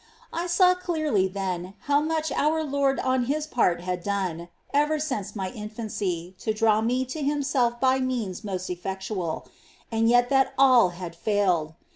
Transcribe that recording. I saw clearly then how much our Lord on His part had done, ever since my infancy, to draw me to Himself by means most effectual, and yet that all had failed.